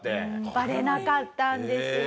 バレなかったんですよ。